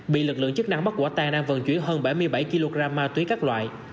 bị lực lượng chức năng bắt quả tan đang vận chuyển hơn bảy mươi bảy kg ma túy các loại